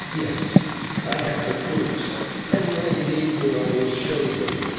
Yes, I have the proofs, and when needful I will show them.